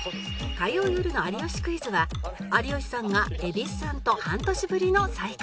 火曜よるの『有吉クイズ』は有吉さんが蛭子さんと半年ぶりの再会